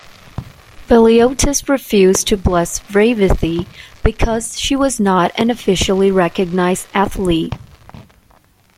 Veliotis refused to bless Revithi because she was not an officially recognized athlete.